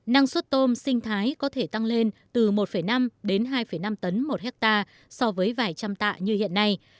năng suất tôm sinh thái có thể tăng lên từ một năm đến hai năm tấn một hectare so với vài trăm tạ như hiện nay